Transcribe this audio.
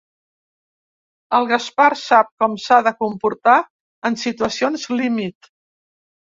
El Gaspar sap com s'ha de comportar en situacions límit.